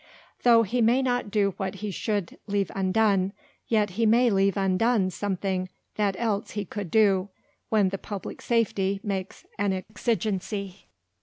Tho' he may not do what he should leave undone, yet he may leave undone something that else he could do, when the Publick Safety makes an Exigency.